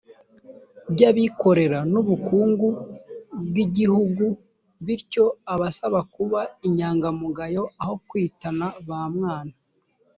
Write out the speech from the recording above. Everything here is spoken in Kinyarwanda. by abikorera n ubukungu bw igihugu bityo abasaba kuba inyangamugayo aho kwitana bamwana